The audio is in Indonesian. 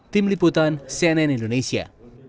tim liputan cnn indonesia